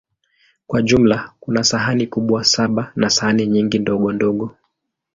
Kwa jumla, kuna sahani kubwa saba na sahani nyingi ndogondogo.